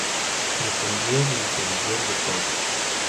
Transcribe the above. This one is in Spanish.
Dependían del Sumiller de Corps.